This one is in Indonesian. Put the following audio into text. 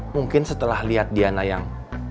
mungkin setelah lihat diana yang